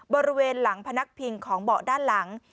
บริเวณหลังพนักพิงของเบาะด้านหลัง